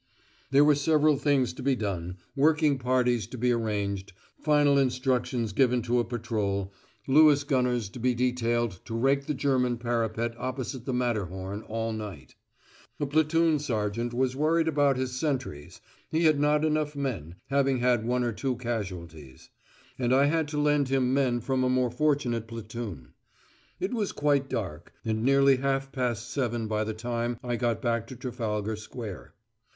There were several things to be done, working parties to be arranged, final instructions given to a patrol, Lewis gunners to be detailed to rake the German parapet opposite the Matterhorn all night. A platoon sergeant was worried about his sentries; he had not enough men, having had one or two casualties; and I had to lend him men from a more fortunate platoon. It was quite dark, and nearly half past seven by the time I got back to Trafalgar Square.